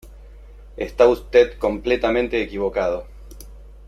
Está usted completamente equivocado".